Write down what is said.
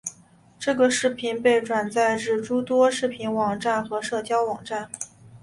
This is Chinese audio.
这个视频被转载至诸多视频网站和社交网站。